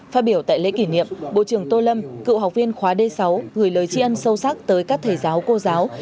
phát biểu tại lễ kỷ niệm bộ trưởng tô lâm cựu học viên khóa d sáu gửi lời tri ân sâu sắc tới các thầy giáo cô giáo